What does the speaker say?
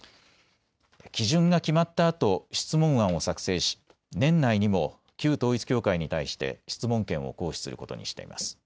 基準が決まったあと、質問案を作成し年内にも旧統一教会に対して質問権を行使することにしています。